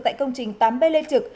tại công trình tám b lê trực